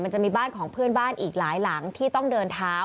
มันจะมีบ้านของเพื่อนบ้านอีกหลายหลังที่ต้องเดินเท้า